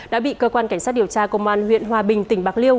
đã bị cơ quan cảnh sát điều tra công an huyện hòa bình tỉnh bạc liêu